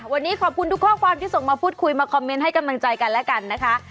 วันนี้ขอบคุณทุกข้อความที่ส่งมาพูดคุยมาคอมเมนต์ให้กำลังใจกันและกันนะคะ